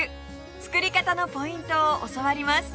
作り方のポイントを教わります